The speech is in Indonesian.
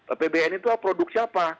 apbn itu produk siapa